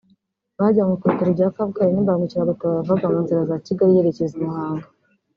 bajyanywe ku bitaro bya Kabgayi n’imbangukiragutabara yavaga mu nzira za Kigali yerekeza i Muhanga